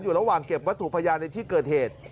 ระหว่างเก็บวัตถุพยานในที่เกิดเหตุ